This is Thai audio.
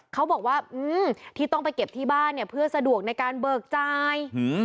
เขาบอกว่าที่ต้องไปเก็บที่บ้านเนี่ยเพื่อสะดวกในการเบิกจ่าย